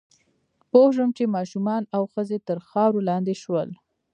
پوه شوم چې ماشومان او ښځې تر خاورو لاندې شول